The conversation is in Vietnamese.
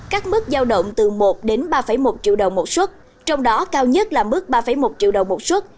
các mức giao động từ một đến ba một triệu đồng một xuất trong đó cao nhất là mức ba một triệu đồng một xuất